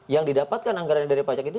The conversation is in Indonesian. yang didapatkan anggaran dari pajak itu